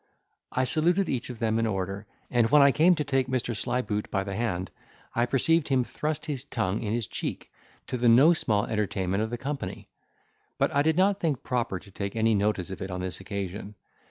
I saluted each of then in order, and when I came to take Mr. Slyboot by the hand, I perceived him thrust his tongue in his cheek, to the no small entertainment of the company; but I did not think proper to take any notice of it on this occasion.